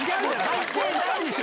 関係ないでしょ！